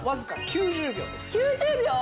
９０秒。